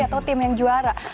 atau tim yang juara